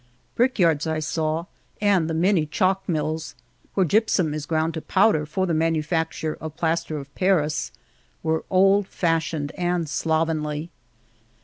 Brick yards I saw and the many chalk mills, where gypsum is ground to pow der for the manufacture of plaster of Paris, were old fashioned and slovenly.